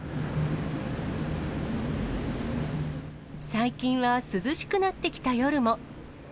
最近は涼しくなってきた夜も。